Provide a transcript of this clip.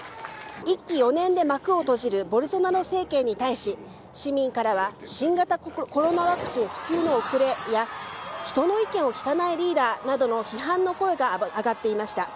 １期４年で幕を閉じるボルソナロ政権に対し、市民からは新型コロナワクチンの普及の遅れや人の意見を聞かないリーダーなどの批判の声が上がっていました。